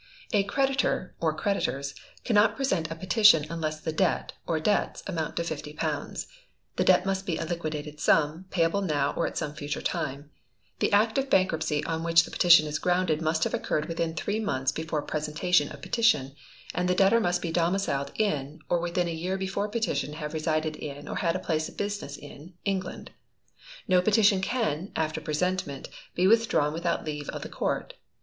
A creditor (or creditors) cannot present a petition unless the debt (or debts) amount to £50; the debt must be a liquidated sum, payable now or at some future time; the act of bankruptcy on which the petition is grounded must have occurred within three months before presentation of petition; and the debtor must be domiciled in, or within a year before petition have resided in or had a place of business in, England. No petition can, after presentment, be withdrawn without leave of the Court.